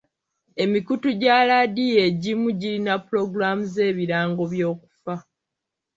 Emikutu gya laadiyo egimu girina pulogulaamu z'ebirango by'okufa.